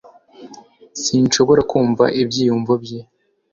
Sinshobora kumva ibyiyumvo bye